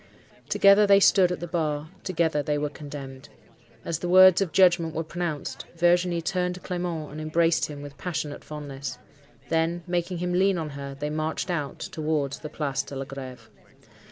"Together they stood at the bar; together they were condemned. As the words of judgment were pronounced, Virginie tuned to Clement, and embraced him with passionate fondness. Then, making him lean on her, they marched out towards the Place de la Greve.